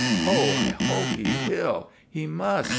" Oh, I hope he will. He must.